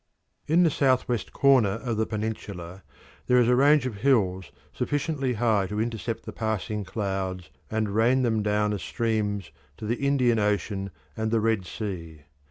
In the south west corner of the peninsula there is a range of hills sufficiently high to intercept the passing clouds and rain them down as streams to the Indian Ocean and the Red Sea.